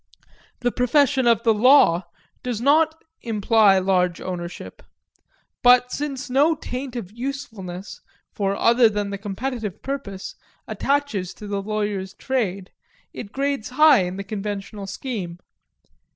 The profession of the law does not imply large ownership; but since no taint of usefulness, for other than the competitive purpose, attaches to the lawyer's trade, it grades high in the conventional scheme.